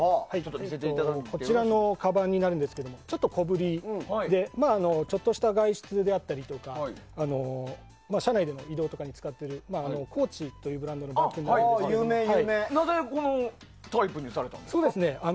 こちらのカバンなんですけどちょっと小ぶりでちょっとした外出だったり社内での移動とかに使っているコーチというブランドのなぜ、このタイプにされたんですか？